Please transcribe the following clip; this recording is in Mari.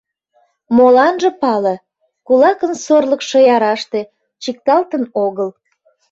Моланже пале: кулакын сорлыкшо яраште, чикталтын огыл.